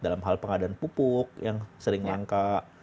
dalam hal pengadaan pupuk yang sering langka